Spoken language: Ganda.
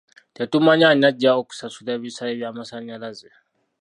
Tetumanyi ani ajja okusasula bisale by'amasannyalaze .